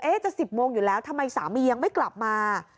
จะ๑๐โมงอยู่แล้วทำไมสามียังไม่กลับมา